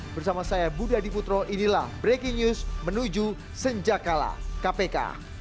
bersama saya budha diputro inilah breaking news menuju senjak kalah kpk